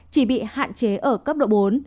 chỉ bị hạn chế ở cấp độ bốn